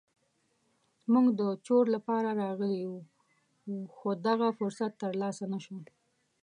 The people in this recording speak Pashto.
موږ د چور لپاره راغلي وو خو دغه فرصت تر لاسه نه شو.